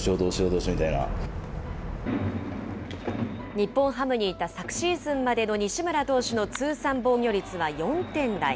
日本ハムにいた昨シーズンまでの西村投手の通算防御率は４点台。